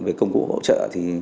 về công cụ hỗ trợ